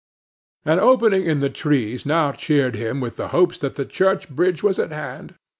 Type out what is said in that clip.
An opening in the trees now cheered him with the hopes that the church bridge was at hand.